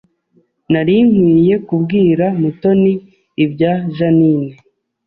Nari nkwiye kubwira Mutoni ibya Jeaninne